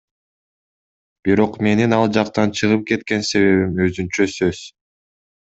Бирок менин ал жактан чыгып кеткен себебим өзүнчө сөз.